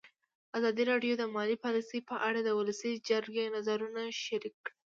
ازادي راډیو د مالي پالیسي په اړه د ولسي جرګې نظرونه شریک کړي.